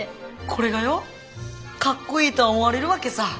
これがよ格好いいと思われるわけさ。